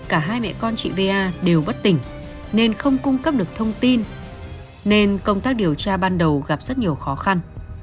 cả hai mẹ con chị va đều bất tỉnh nên không cung cấp được thông tin nên công tác điều tra ban đầu gặp rất nhiều khó khăn